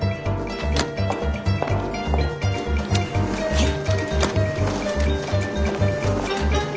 はい。